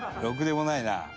ろくでもないな。